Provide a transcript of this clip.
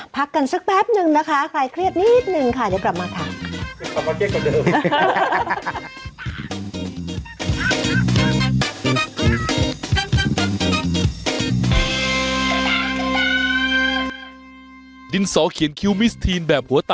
พักกันสักแป๊บนึงนะคะใครเครียดนิดนึงค่ะเดี๋ยวกลับมาค่ะ